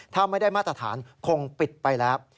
ถ้าไม่ได้มาตรฐานคงปิดไปแล้ว